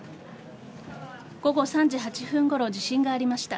午後３時８分ごろ地震がありました。